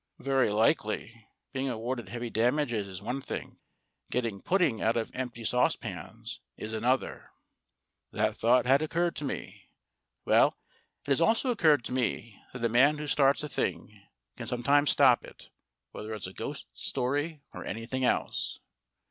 "Very likely. Being awarded heavy damages is one thing; getting pudding out of empty saucepans is another." "That thought had occurred to me. Well, it has also occurred to me that a man who starts a thing can SUNNIBROW 143 sometimes stop it whether it's a ghost story or any thing else."